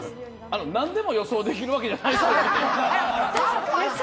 なんでも予想できるわけじゃないですよね？